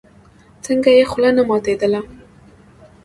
څنگه يې خوله نه ماتېدله.